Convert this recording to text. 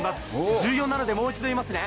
重要なのでもう一度言いますね。